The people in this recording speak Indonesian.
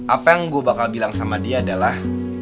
apa yang gue bakal bilang sama dia adalah